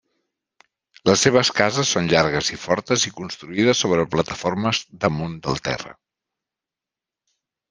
Les seves cases són llargues i fortes i construïdes sobre plataformes damunt del terra.